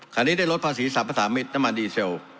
ขณะนี้ได้ลดภาษีสรรพสามิตรน้ำมันดีเซล